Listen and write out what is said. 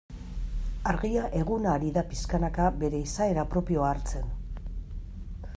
Argia eguna ari da pixkanaka bere izaera propioa hartzen.